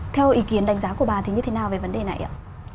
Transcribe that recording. theo ý kiến đánh giá của bà thì như thế nào về vấn đề này ạ